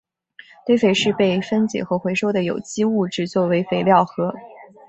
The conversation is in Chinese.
堆肥是被分解和回收的有机物质作为肥料和。